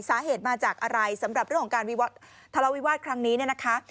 สาเหตุมาจากอะไรสำหรับเรื่องของการทะเลาวิวาสครั้งนี้เนี่ยนะคะ